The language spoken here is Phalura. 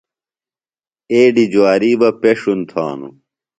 ایڈی جواری بہ پݜُن تھانو۔